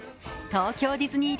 東京ディズニー